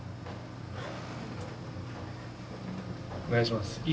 お願いします。